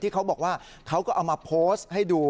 เขาบอกว่าเขาก็เอามาโพสต์ให้ดู